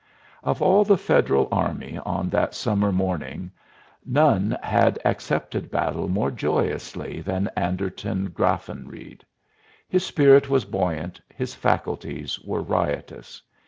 Of all the Federal Army on that summer morning none had accepted battle more joyously than Anderton Graffenreid. His spirit was buoyant, his faculties were riotous.